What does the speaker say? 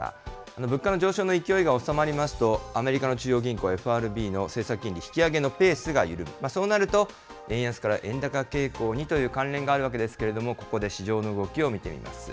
物価の上昇の勢いが収まりますと、アメリカの中央銀行ＦＲＢの政策金利引き上げのペースが緩む、そうなると、円安から円高傾向にという関連があるわけですけれども、ここで市場の動きを見てみます。